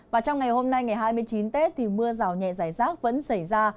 và trong ngày hôm nay ngày hai mươi chín tết thì mưa rào nhẹ giải rác vẫn xảy ra